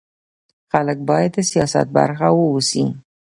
خلک باید د سیاست برخه واوسي